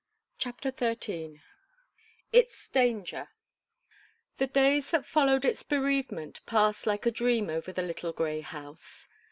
CHAPTER THIRTEEN ITS DANGER The days that followed its bereavement passed like a dream over the little grey house.